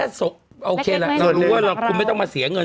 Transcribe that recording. โอเคล่ะเรารู้ว่าคุณไม่ต้องมาเสียเงิน